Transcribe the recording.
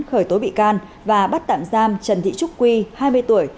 khởi tố bị can và bắt tạm giam trần thị trúc quy hai mươi tuổi